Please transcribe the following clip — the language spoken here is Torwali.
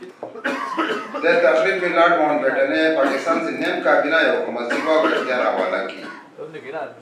تے تقریب می لارڈ ماونٹ بیٹن ئے پاکستان سی نیم کابینہ ئے حکومت سی واگ اختیار حوالہ کی